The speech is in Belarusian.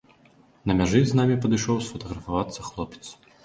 На мяжы з намі падышоў сфатаграфавацца хлопец.